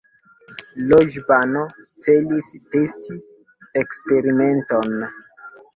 Loĵbano celis testi eksperimenton